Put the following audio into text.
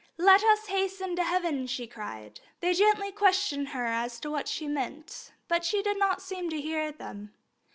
"Let us hasten to heaven!" she cried. They gently questioned her as to what she meant, but she did not seem to hear them.